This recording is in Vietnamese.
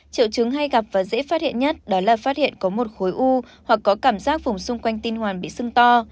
triệu chứng hay gặp và dễ phát hiện nhất đó là phát hiện có một khối u hoặc có cảm giác vùng xung quanh tin hoàn bị sưng to